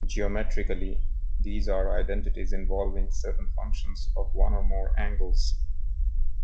Geometrically, these are identities involving certain functions of one or more angles.